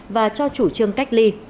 và cho chủ trương cách ly